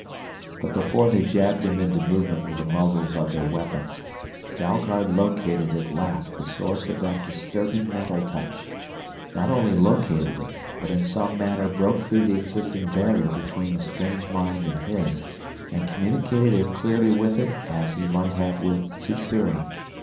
But before they jabbed him into movement with the muzzles of their weapons, Dalgard located at last the source of that disturbing mental touch, not only located it, but in some manner broke through the existing barrier between the strange mind and his and communicated as clearly with it as he might have with Sssuri.